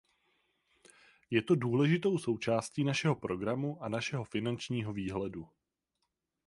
Je to důležitou součástí našeho programu a našeho finančního výhledu.